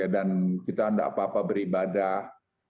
dan kita tidak apa apa beribadah